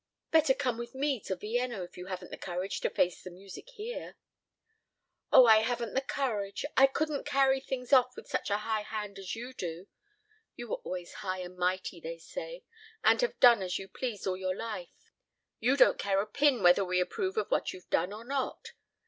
Better come with me to Vienna if you haven't the courage to face the music here." "Oh, I haven't the courage. I couldn't carry things off with such a high hand as you do. You were always high and mighty, they say, and have done as you pleased all your life. You don't care a pin whether we approve of what you've done or not.